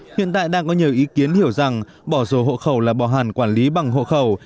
hiện tại đang có nhiều ý kiến hiểu rằng bỏ rổ hộ khẩu là bỏ hẳn quản lý bằng hộ khẩu